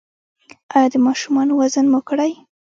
ایا د ماشومانو وزن مو کړی؟